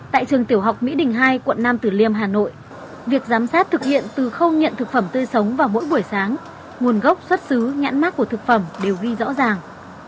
tại trường tiểu học mỹ đình hai quận nam tử liêm hà nội việc giám sát thực hiện từ khâu nhận thực phẩm tươi sống vào mỗi buổi sáng nguồn gốc xuất xứ nhãn mát của thực phẩm đều ghi rõ ràng